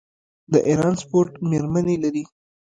د ایران سپورټ میرمنې لري.